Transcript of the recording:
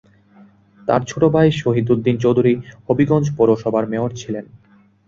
তার ছোট ভাই শহিদ উদ্দিন চৌধুরী হবিগঞ্জ পৌরসভার মেয়র ছিলেন।